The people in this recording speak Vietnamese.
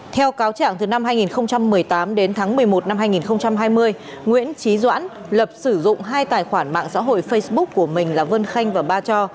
theo cáo trạng từ năm hai nghìn một mươi tám đến tháng một mươi một năm hai nghìn hai mươi nguyễn trí doãn lập sử dụng hai tài khoản mạng xã hội facebook của mình là vân khanh và ba cho